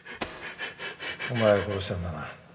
お前が殺したんだな？